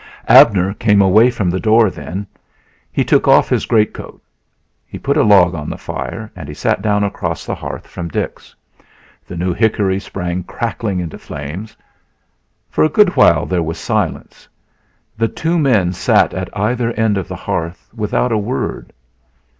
Abner came away from the door then. He took off his great coat. He put a log on the fire and he sat down across the hearth from Dix. The new hickory sprang crackling into flames. For a good while there was silence; the two men sat at either end of the hearth without a word.